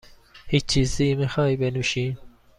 هیچ چیزی میخواهی بنوشی؟